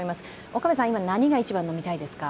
岡部さん、今、何が一番飲みたいですか？